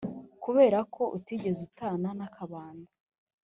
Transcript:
kubera ko utigeze utana n'akabando.